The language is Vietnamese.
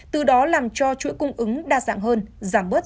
từ đó làm cho chuỗi cung ứng đa dạng hơn giảm bớt